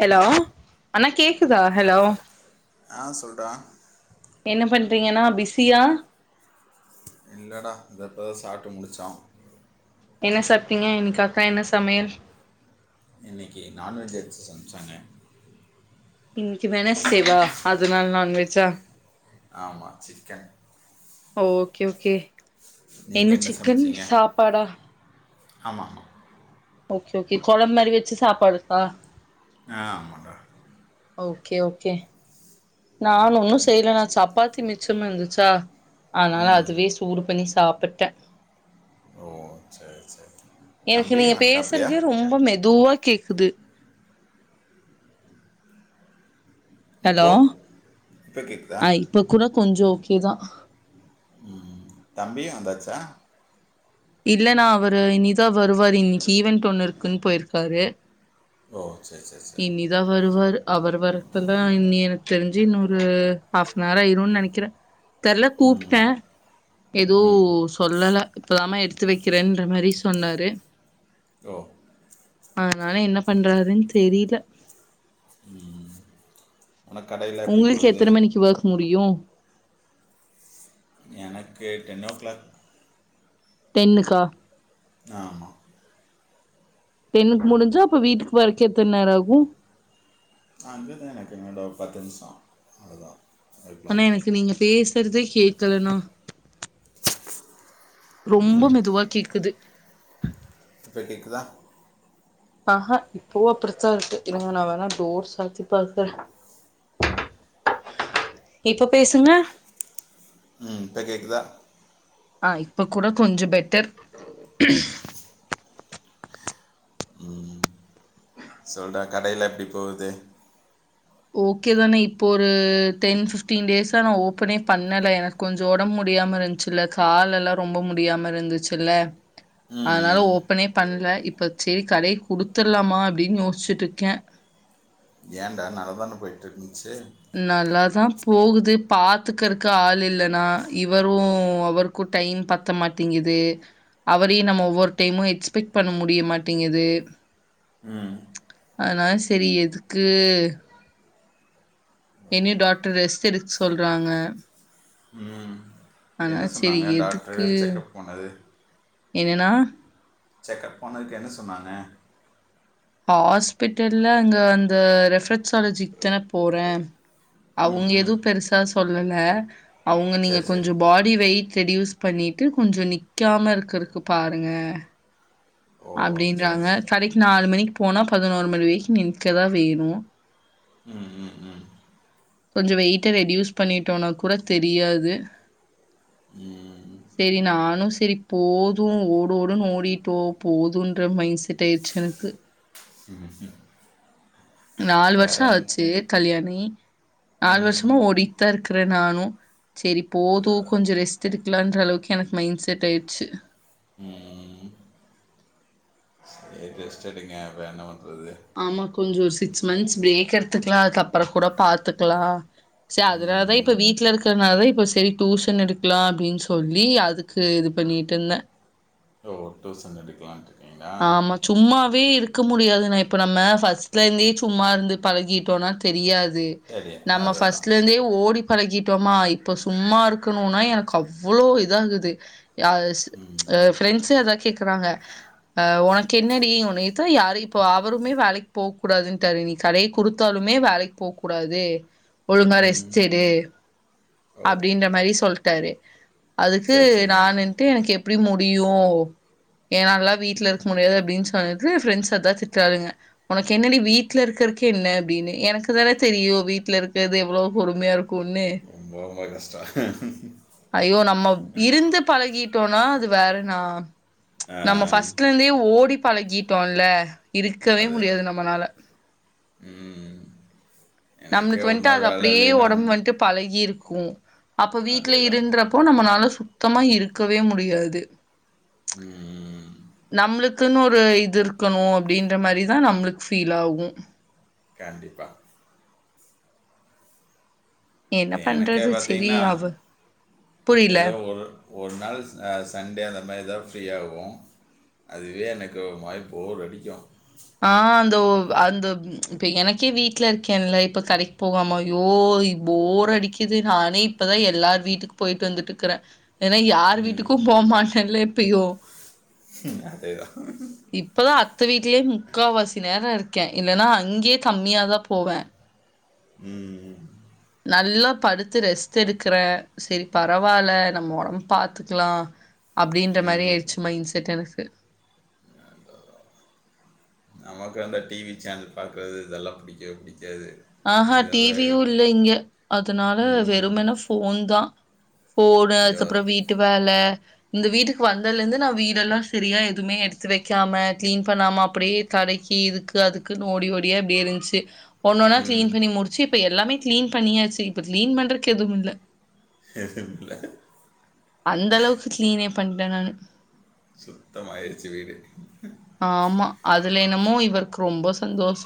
Hello அண்ணா கே ஆஹ சொல்டா என்ன பண்றீங்கன்னா பிஸியா இல்லடா இத எப்போத சாட்டு முடிச்சோ என்ன சாப்பிட்டீங்க இனைக்கு அக்கா என்ன சமையல் இன்றைக்கு நான்வெஜ் எடுத்து செமைச்சாங்க இனக்கு வெனஸ்டே வா அதனால நான்வெஜ் ச்சா ஆமா சிக்கே ஓகே ஓகே நீங்கள் என்ன சிக்கன் சமைச்சீங்க சாப்பாடா ஆமாம் ஓகே ஓகே கொழம்பு மாரி வச்சு சாப்பாடுக்கா ஆமாட ஓகே ஓகே நான் ஒன்னும் செய்யல நான் சாப்பாத்தி மிச்சமா இருந்துச்சா அதனால ம் அதுவே சூடு பண்ணி சாப்பிட்டே ஓ சரி சரி எனக்கு தம்பி நீங்க வந்துட்டாப்லையா பேசுறது ரொம்ப மெதுவா கேக் விது [inaudible] ஹலோ இப்போ இப்போ கேட்குதா அஹ் இப்ப கூட கொஞ்சம் ஓகே தா தம்பி வந்தாச்சா இல்லன்னா அவரு இனிதா வருவாரு இன்னக்கி ஈவண்ட் ஒன்னு இருக்குன்னு போயிருக்காரு ஓ சரி சரி சரி இனிதா வருவாரு அவர் வரக்கெல்லாம் இன்ன எனக்கு தெரிஞ்சு இன்னொரு ஹாப் அனர் ஆயிரும்னு நினைக்கிறேன் தெரில கூப்பிட்டேன் ஏதோ ம் சொல்லலை இப்பதாம எடுத்து வைக்கிறேன்ற மாதிரி சொன்னாரு ஓ [inaudible] ஆஹ் அதுனால என்ன பண்றாரூனு தெரியல உம் [inaudible] உங்களுக்கு எத்தனை மணிக்கு ஒர்க் மு முடியும் எனக்கு டென் ஓ க்ளாக் டென்னுக்கா ஆமா [inaudible] முடிஞ்சா அப்ப வீட்டுக்கு வர எத்தனநேரம் ஆகும் அ அஞப தனக்கங்கட பத் [unintelligible] த நிசம் அழுதான் அண்ணே எனக்கு நீங்க பேச றதே கேக்கலண்ணா. ரொம்ப மெதுவா கேக்குது. இப்ப கேக்குதா? ஆஹா இப்பவு அப்படித்தா இருக்கு. இருங்க நா வேண்ணா டோர் சாத்தி பாக்குறே. இப்ப பேசுங்க. ம் இப்ப கேக்குதா? ஆ இப்ப கூட கொஞ்சம் பெட்டர். ம் சொல்றா கடையெல்லா எப்டி போகுது? ஓகேதாண்ணே இப்ப ஒரு டென் ஃபிஃப்டீன் டேஸா நா ஓப்பனே பண்ணல. எனக்கு கொஞ்சோ ஒடம்பு முடியாம இருந்துச்சுல்ல கால் எல்லா ரொம்ப முடியாம இருந்துச்சுல்ல ம் அதனால ம் ஓப்பனே பண்ல. இப்ப சேரி கடைய குடுத்துறலாமா அப்டின்னு யோசிச்சுட்ருக்கே. ஏண்டா நல்லாதான போய்ட்ருந்துச்சு? நல்லாதா போகுது. பாத்துக்கறக்கு ஆள் இல்லண்ணா. இவரும் அவருக்கும் டைம் பத்த மாட்டேங்குது. அவரையு நம்ம ஒவ்வொரு டைமு எக்ஸ்பெக்ட் பண்ண முடிய மாட்டேங்குது. ம் அதனால செரி எதுக்கு ஓ. என்னயு டாக்டர் ரெஸ்ட் எடுக்க சொல்றாங்க. ம் என்ன அதனால சரி சொன்னாங்க டாக்ட்ரு செக்அப் போனது? என்னண்ணா? செக்அப் போனதுக்கு என்ன சொன்னாங்க? ஹாஸ்பிட்டல்ல அங்க அந்த ரெஃப்லக்சாலஜிக்குதான போறே ம் அவுங்க ம் எதவு பெருசா சொல்லல. அவுங்க நீங்க சரி சரி கொஞ்ச பாடி வெயிட் ரெடியூஸ் பண்ணிட்டு கொஞ்ச நிக்காம இருக்குறக்கு பாருங்க ஓ சரி அப்டின்றாங்க. சரி கடைக்கி நாலு மணிக்கி போனா பதனோரு மணி வரைக்கி நிக்கதா வேணு. ம் ம் ம் கொஞ்ச வெயிட்ட ரெடியூஸ் பண்ணிட்டோனா கூட தெரியாது. ம் செரி நானு செரி போது ஓடு ஓடுன்னு ஓடிட்டோ போதும்ன்ற மைண்ட் செட் ஆயிருச்சு எனக்கு. நாலு வேற வருஷோ என் ஆச்சு கல்யாணோ ஆயி. நாலு ம் வருஷமா ஓடிட்தா இருக்கறே நானு. செரி போது கொஞ்சோ ரெஸ்ட் எடுக்கலான்ற அளவுக்கு எனக்கு மைண்ட் செட் ஆயிட்ச்சு. ம் சேரி ரெஸ்ட் எடுங்க வேற என்ன பண் ஆமா கொஞ்சோ சிக்ஸ் மந்த்த்ஸ் பிரேக் எடுத்துக்கலா அதுக்கப்புறோ கூட பாத்துக்கலா செரி அதனாலதா இப்ப ம் வீட்ல இருக்கறனாலதா இப்ப செரி டியூஷன் எடுக்லா அப்டின்னு சொல்லி அதுக்கு இது பண்ணிட்டு இருந்தே. ஓ டூஷன் எடுக்கலாண்ட்டு ஆமா சும்மாவே இருக் க முடியாதுண்ணே. இப்ப நம்ம ஃபஸ்ட்ல இருந்தே சும்மா இருந்து பழகிட்டோன்னா தெரியா து சரி நம்ம அதுதான் ஃபஸ்ட்ல இருந்தே ஓடி பழகிட்டோமா இப்ப சும்மா இருக்கணுன்னா எனக்கு அவ்ளோ இது ஆகுது யாராச்சு ஆ ஃப்ரெண்ட்ஸே அதா கேக்குறாங்க ஆ உனக்கு என்னடி உனக்குதா யாரு இப்போ அவருமே வேலைக்கு போக கூடாதுன்ட்டாரு. நீ கடைய குடுத்தாலுமே வேலைக்கு போகக் கூடாது ஒழுங்கா ம் ரெஸ்ட் எடு ஓ அப்டின்ற மாரி சொல்ட்டாரு. அதுக்கு சரி நா சரி இருன்ட்டு எனக்கு எ ப்டி முடியு ஏ நா எல்லா வீட் வீட்டுல இருக்க முடியாது அப்படின்னு சொல்லிட்டு ப்ரெண்ட்ஸ் அதான் திட்டுளுங்க உனக்கு என்னடி வீட்டுல இருக்கறக்கு என்ன அப்படின்னு எனக்கு தானே தெரியும் வீட்டுல இருக்கிறது எவ்வளவு கொடுமையா இருக்கும் ரொம்ப ரொம்ப கஷ்டம் [inaudible] ஐயோ நம்ம இருந்து பழகிட்டோம்னா அது வேறனா ஆ நம்மப ஃபர்ஸ்ட்ல இருந்தே ஓடி பழகிட்டோம்ல்ல இருக்கவே முடியாது அதேதான். நம்மனால ம். எனக்கே நம்மளுக்கு ஒரு வந்துட்டு நாள் அது வேலை அப்படியே இல்லைன்னா, உடம்பு வந்துட்டு பழகி இருக்கும் அப்ப வீட்ல அதேதான். இருன்றப்போ நம்ம நாலு சுத்தமா இருக்கவே முடியாது ம். நம்மளுக்குன்னு ஒரு இது இருக்கணும் அப்படின்ற மாதிரிதான் நம்மளுக்கு ஃபீல் ஆகும் கண்டிப்பா என்ன எனக்கே பண்றது செரி பாத்திங்கனா அவ புரில எதோ ஒரு ஒரு நாள் சண்டே அந்த மாரி ஏதோ ஃப்ரீயாகும் அதுவே எனக்கு வாய்ப்போ அடிக்கும் ஆஹ் அ அந்த இப்ப எனக்கே வீட்டுல இருக்கேன்ல்ல இப்ப கடைக்கு போகாம யோ போர் அடிக்குது நானே இப்பதான் எல்லார வீட்டுக்கு போயிட்டு வந்துட்டு இருக்கிறேன் ஏன்னா யார் ம். வீட்டுக்கும் போமட்டேன்ல்ல இப்பயோ அதேதான் இப்பதான் அத்த வீடலேயே முக்கால்வாசி நேரம் இருக்கேன் இல்லைன்னா அங்கேயே கம்மியாதான் போவேன் ம். நல்லா படுத்து ரெஸ்ட் எடுக்கறேன் சரி பரவாயில்ல நம்ம உடம்பு பாாரத்துக்கலாம் அப்படின்ற மாதிரி ம். ஆயிடுச்சு மைண்ட செட் எனக்கு நமக்கு வந்த டிவி சேனல் பார்க்குறது இதெல்லாம் புடிக்கவே புடிக்காது ஹஹா டிவியு இல்ல இங்க அதுனால ம். வெறுமென ஃப்போன் தா போனு ஐயோ! அதுக்கபுறம் வீட்டு வேலை இந்த வீட்டுக்கு வந்ததுல இருந்து நான் வீடெல்லாம் சரியா எதுவுமே எடுத்து வைக்காம கிளீன் பண்ணாம அப்படியே தடைக்கு இதுக்கு அதுக்குன்னு ஓடி ஓடியா எப்படியே இருந்துச்சு ஒன்னொன்னா ம். கிளீன் பண்ணி முடிச்சு இப்ப எல்லாமே கிளீன் பண்ணியாச்சு இப்ப கிளீன் பண்றதுக்கு எதுவும் இல்ல [inaudible] அந்த அளவுக்கு கிளீனே பண்ணிட்டேன் நானு ஆயிருச்சு வீடு ஆமா அதுல என்னமோ இவருக்கு ரொம்ப சந்தோஷ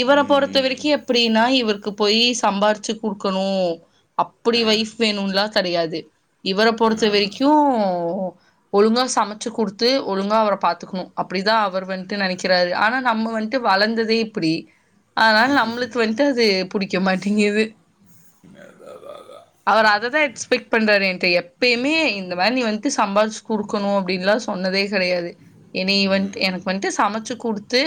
இவர பொறுத்த ம் வரிக்கு எப்டினா இவருக்கு போய் சம்பாரிச்சு குடுக்கணு அப்படி ஆ வைஃப் வேணுலா கெடயாது இவர பொறுத்த வரிக்கு ஒழுங்கா சமச்சு குடுத்து ஒழுங்கா அவர பா அப்படிதான் அவர் வந்துட்டு நினைக்கிறாரு ஆனா நம்ம வந்துட்டு வளர்ந்ததே இப்படி ஆனால நம்மளுக்கு வந்துட்டு அது புடிக்க மாட்டுங்குது அதான் அதான் அதான் அவர் அததா எக்ஸ்பெக்ட் பண்றாரு என்ட எப்பய்மே இந்த மாரி நீ வந்துட்டு சம்பாரிச்சு குடுக்குணு அப்டின்லா சொன்னதே கெடையாது என்னை வந்து ம் எனக்கு வந்துட்டு சமைச்சு கொடுத்து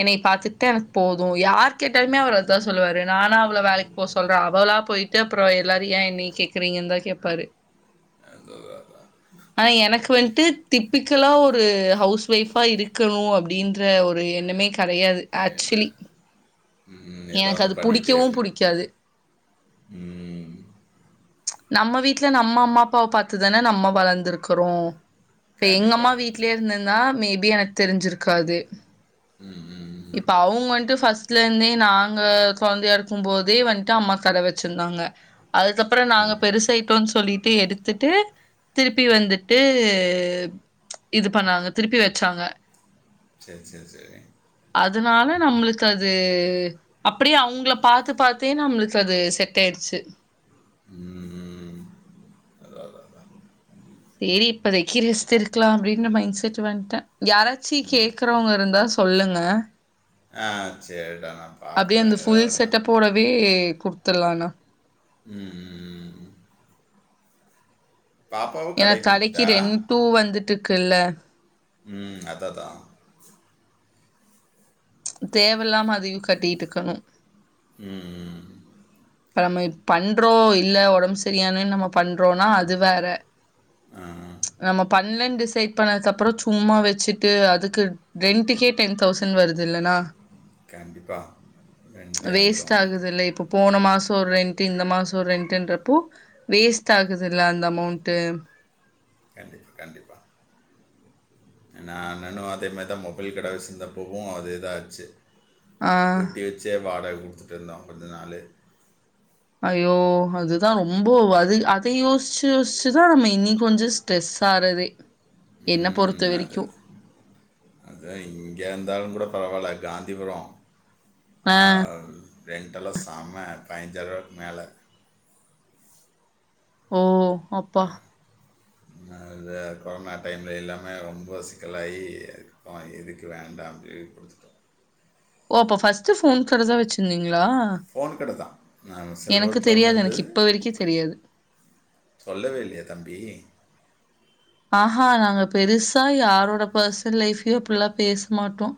என்னை பார்த்துட்டு தான் எனக்கு போதும் யார் கேட்டாலுமே அவர்தான் சொல்லுவாரு நானா அவளோ வேலைக்கு போக சொல்றேன் அவளா போயிட்டு அப்புறம் எல்லார ஏன் என்னை கேக்குறீங்கன்னு தான் கேட்பாரு அதான் அதான் அதான் ஹ் எனக்கு வந் திப்பிக்கலா ஒரு ஹவுஸ் லைஃப்பா இருக்கணு அப்டின்ற ஒரு எண்ணமே கடையாது ஆச்சலி உம் உ ஏதோ ஒண்ணு பண்ணிட்டே இருக்கலாம் புடிக்காது. உம் நம்ம வீட்ல நம்ம அம்மா அப்பாவ பாத்துதானே நம்ம வளர்ந்துருக்குறோ இப்ப கண்டிப்பா எங்கம்மா வீட்டிலே இருந்த நா மே பி எனக்கு தெரிஞ்சிருக்காது ம் ம் ம். இப்ப அவுங்கந்துட்டு ஃபஸ்ட்லந்தே நாங்க கொழந்தையா இருக்கு போதே வந்ட்டு அம்மா கட வச்சிருந்தாங்க அதுக்கப்பற நாங்க ம் பெருசாய்டோனு சொல்லிட்டு எடுத்துட்டு திருப்பி வந்துட்டு இது பண்ணாங்க திருப்பி வச்சாங்க சரி சரி சரி அதனால நம்மளுக்கு அது அப்படியே அவங்கள பாத்து பாத்தே நம்மளுக்கு அது செட் ஆயடுச்சு ம் அதான் அதான் அதான் சரி இப்பதைக்கு ரெஸ்ட் இருக்கலாம் அப்படின்ற மைண்ட்செட் வந்துட்டேன் யாராச்சி கேக்குறவங்க இருந்தா சொல்லுங்க ஆஹ் சரி அப்படியே அந்த ஃபுல் செட்டப்போடவே குடுத்துலாம்ன்னு உம் உம் உம் பாப்பாவும் கடை கடைக்கு கொடுத்துட்டா ரெண்டூ வந்துட்டுருக்குல்ல உம் அததான் தேவல்லாம அதையும் கட்டிட்டுயிருக்கணும் உம் நம்ம பண்றோம் இல்ல உடம்பு சரியானு நம்ம பண்றோம்னா அது வேற நம்ம பண்ணலன்னு டிசைட் பண்ணதுக்கு அப்புறம் சும்மா வச்சுட்டு அதுக்கு ரென்டுக்கே டென் தௌசண்ட் வருது இல்லனா கண்டிப்பாக ரெண்டே வேஸ்ட் வந்துடும் உனக்கு ஆகுதுல்லலை இப்ப போன மாச சோ ரெண்ட்டு இந்த மாச ரெண்ட்டுன்றப்போ வேஸ்ட் ஆகுதல்ல அந்த அமோண்ட்டு கண்டிப்பா நாங்களும் அந்தமாரி தான் மொபைல் கட வசிச்ருந்தப்பவும் அதே தான் ஆச்சு ஆ பூட்டி வச்சே வாடக குடுத்து இருந்தோம் கொஞ்சநாளு அயோ அதுதான் ரொம்ப அது அதை யோசிச்சு யோசிச்சுதான் நம்ம இன்னி கொஞ்சம் ச்டாரெஸ் ஆகுதே என்ன பொறுத்த வரைக்கும் அதன் இங்கே இருந்தாலும் கூட பரவாயில்ல காந்திபுரம் ஆ [unintelligible] ரெண்டல சாமை பாய்சறுக்கு மேலே ஓ அப்பா கொரோனா டைம்ல எல்லாமே ரொம்ப சிக்கலாகி அது இதுக்கு வேண்டாம் அப்பட கொடுத்துட்டோம் ஓ அப்போ ஃபஸ்ட் போன் கடைத வைச்சுயிருந்திகளா வச்சிருந்தீங்க போன் கடை தான் நான் எனக்கு செல்வரத்தில் ஒன்ன தெரியாது. எனக்கு இருந்தது இப்ப வரைக்கும் தெரியாது. சொல்லவே இல்லையா தம்பி ஆஹா நாங்க பெருசா யாரோட பர்சனல் லைஃபையும் இப்பல்லாம் பேசமாட்டோம்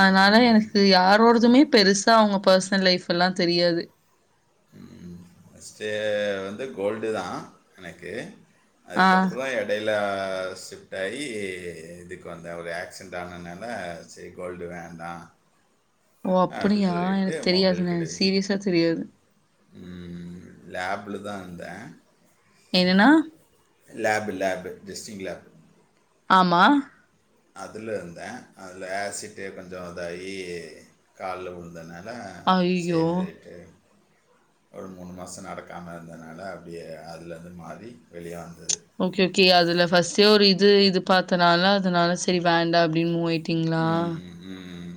அதனால எனக்கு யாரோ ஒருதுமே பெருசா அவங்க பர்சனல் லைஃப் எல்லாம் தெரியாது பஸ்ட்டு வந்து கோல்டு தான் எனக்கு ஆ. அதுக்கப்புறம் தான் இடையில தெ ஷிஃப்ட் ஆகி இதுக்கு வந்த ஒரு ஆக்சிடென்ட் ஆனனால செரி கோல்டு வேன்டா ஓ அப்படியா எனக்கு தெரியாது நை சீரியஸா தெரியாது லேப்ல தான் இருந்தேன் என்னன்னா லாப் லாப்டிஸ்ட்லப [inaudible] மா அதல இருந்தேன் அதில் ஆசிட்டு கொஞ்சம் இதாகி காலில் விழுந்தேன ஐயய்யோ! சரி செய்துட்டு [inaudible] ஒரு மூணு மாச நடக்காம இருந்ததுனால அப்படியே அதுல வந்து மாறி வெளியாக ஓகே ஓகே அதுல ஃபர்ஸ்ட்டே ஒரு இ து இது பாத்தனாலதா அதனால சரி வேண்டா அப்டின்னு மூவாயிட் ம் ம்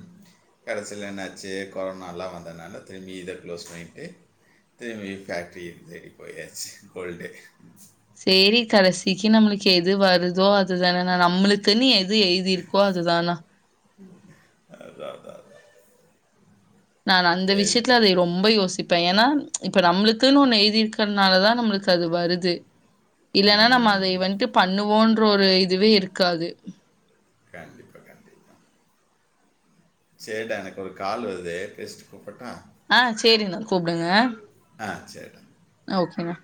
கடைசில என்னாச்சு கொரோனால்லா வந்ததுனால திரும்பி இத க்ளோஸ் பண்ணிட்டு திரும்பி ஃபேக்ட்ரிய தேடி போயாச்சு ஓல்டு சேரி கடைசிக்கி நம்மளுக்கு எது வருதோ அதுதானண்ணா நம்ளுக்குன்னு எது எழுதிருக்கோ அதுதாண்ணா அதா அதா அதா நானு அந்த விஷயத்துல அது ரொம்ப யோசி ப்பே ஏன்னா இப்ப நம்மளுக்குன்னு ஒண்ணு எழுதிருக்கிறனாலதா நம்மளுக்கு அது வருது ம், இல்லன்னா நம்ம ம். அதய வன்ட்டு பண்ணுவோன்ட் டு ஒரு இதுவே இருக்காது. கண்டிப்பா கண்டிப்பா. சேரிடா எனக்கு ஒரு கால் வருது பேசிட்டு கூப்பட்டா? ஆ சேரிண்ணா கூப்டுங்க. ஆ சேரிடா. ஓகேண்ணா.